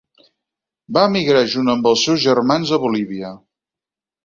Va emigrar junt amb els seus germans a Bolívia.